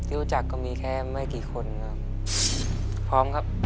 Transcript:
รู้จักก็มีแค่ไม่กี่คนครับพร้อมครับ